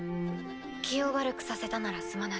気を悪くさせたならすまない。